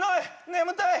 眠たい！